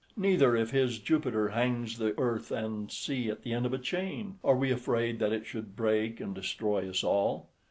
Neither, if his Jupiter {25b} hangs the earth and sea at the end of a chain, are we afraid that it should break and destroy us all.